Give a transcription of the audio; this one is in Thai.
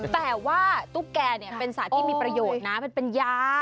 แต่ว่าตุ๊กแกเป็นสัตว์ที่มีประโยชน์นะมันเป็นยา